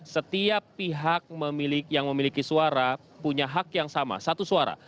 setiap pihak yang memiliki suara punya hak yang sama satu suara